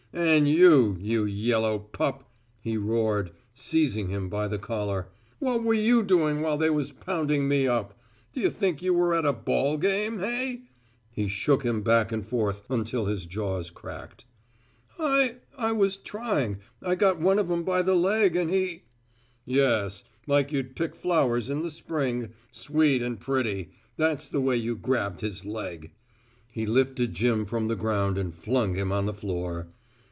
"And you, you yellow pup," he roared, seizing him by the collar, "what were you doing while they was pounding me up? D'you think you were at a ball game, hey?" He shook him back and forth until his jaws cracked. "I I was trying I got one of 'em by the leg, and he " "Yes, like you'd pick flowers in the spring sweet and pretty that's the way you grabbed his leg." He lifted Jim from the ground and flung him on the floor.